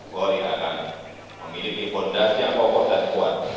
polri akan memiliki fondasi yang kokos dan kuat